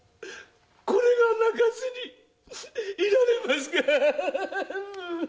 これが泣かずにいられますか！